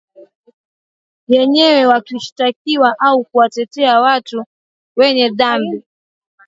yenyewe yakiwashitaki au kuwatetea watu wenye dhambi